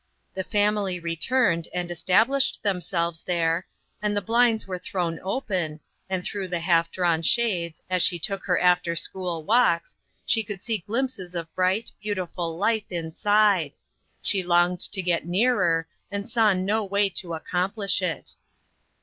The family re turned and established themselves there, and the blinds were thrown open, and through the half drawn shades, as she took her after school walks, she could see glimpses of bright, beautiful life inside ; she longed to get nearer, and saw no way to accomplish it.